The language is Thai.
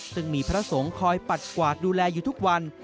ซึ่งมีพระสงฆ์คอยปัดกวาดดูแลอยู่ทุกวัน